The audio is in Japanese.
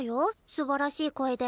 すばらしい声で。